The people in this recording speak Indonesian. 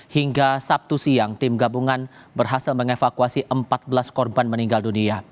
hingga sabtu siang tim gabungan berhasil mengevakuasi empat belas korban meninggal dunia